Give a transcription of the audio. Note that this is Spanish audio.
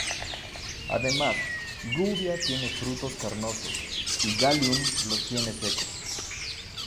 Además "Rubia" tiene frutos carnosos y "Galium" los tiene secos.